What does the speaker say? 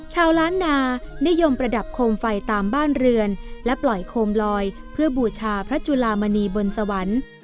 ชาวล้านนานิยมประดับโคมไฟตามบ้านเรือนและปล่อยโคมลอยเพื่อบูชาพระจุลามณีบนสวรรค์